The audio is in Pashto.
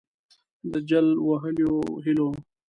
د جل وهلیو هِیلو